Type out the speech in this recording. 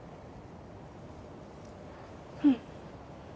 うん。